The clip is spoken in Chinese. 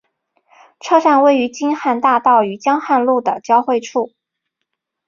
车站位于京汉大道与江汉路的交汇处。